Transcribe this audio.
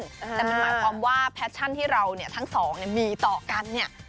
แต่มันหมายความว่าแพชชั่นที่เราเนี่ยทั้งสองมีต่อกันเนี่ย